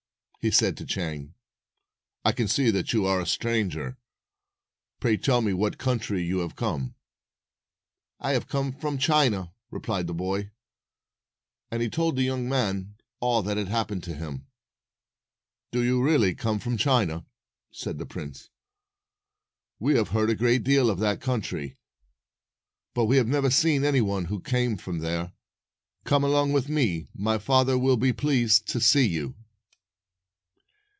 he said to Chang. "I can see that you are a stranger. Pray tell me from what country you have come." "I have come from China," replied the boy; and he told the young man all that had hap pened to him. "Do you really come from China?" said the prince. "We have heard a great deal of that country, but we have never seen any one who came from there. Come along with me. My father will be pleased to see you."